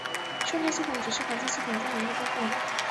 生态系统只是环境系统中的一个部分。